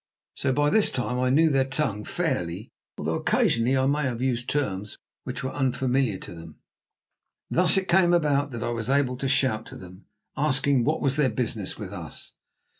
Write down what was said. So by this time I knew their tongue fairly, although occasionally I may have used terms which were unfamiliar to them. Thus it came about that I was able to shout to them, asking what was their business with us.